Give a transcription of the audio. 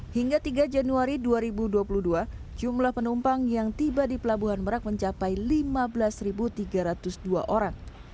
hingga tiga januari dua ribu dua puluh dua jumlah penumpang yang tiba di pelabuhan merak mencapai lima belas tiga ratus dua orang